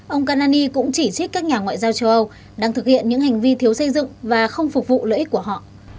ông kanani cũng chỉ trích các nhà ngoại giao châu âu đang thực hiện những hành vi thiếu xây dựng và không phục vụ lợi ích của họ